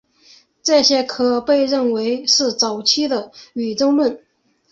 这些可以被认为是早期的宇宙论。